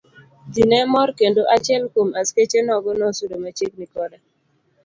Ji ne mor kendo achiel kuom askeche nogo nosudo machiegni koda.